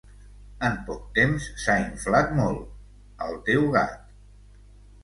En poc temps s'ha inflat molt, el teu gat.